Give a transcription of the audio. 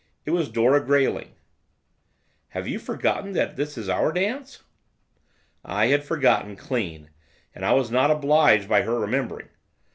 It was Dora Grayling. 'Have you forgotten that this is our dance?' I had forgotten, clean. And I was not obliged by her remembering.